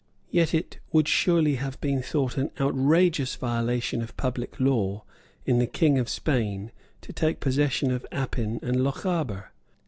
Yet it would surely have been thought an outrageous violation of public law in the King of Spain to take possession of Appin and Lochaber.